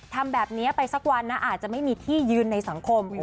ทำแบบนี้ไปสักวันนะอาจจะไม่มีที่ยืนในสังคม